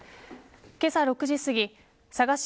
けさ６時すぎ佐賀市